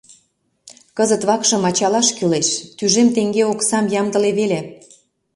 Кызыт вакшым ачалаш кӱлеш; тӱжем теҥге оксам ямдыле веле.